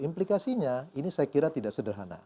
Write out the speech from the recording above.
implikasinya ini saya kira tidak sederhana